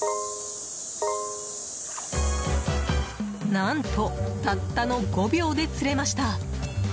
何と、たったの５秒で釣れました。